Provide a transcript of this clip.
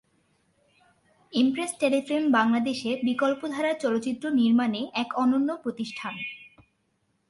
Impress Telefilm বাংলাদেশে বিকল্প ধারার চলচ্চিত্র নির্মাণে এক অনন্য প্রতিষ্ঠান।